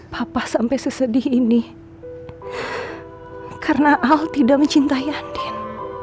papa sampai sesedih ini karena al tidak mencintai adil